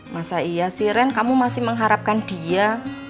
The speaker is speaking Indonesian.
masa iya sih ren kamu masih mengharapkan dia